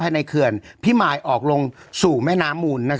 ในเขื่อนพิมายออกลงสู่แม่น้ำมูล